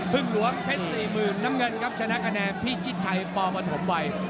หลวงเพชร๔๐๐๐น้ำเงินครับชนะคะแนนพิชิดชัยปปฐมวัย